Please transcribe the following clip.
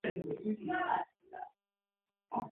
ძნელაძე დაჯილდოვდა ბრინჯაოს მედალით.